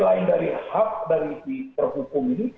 lain dari hak dari si terhukum ini